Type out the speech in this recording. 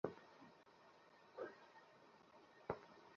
জিজ্ঞেস করো কেন করেছে।